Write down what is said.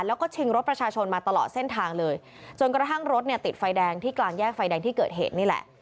แล้วก็ชิงรถประชาชนมาตลอดเส้นทางเลยจนกระทั่งรถเนี่ยติดไฟแดงที่กลางแยกไฟแดงที่เกิดเหตุนี่แหละ